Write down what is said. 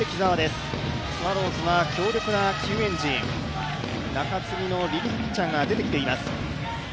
スワローズは強力な救援陣、中継ぎのリリーフピッチャーが出てきています。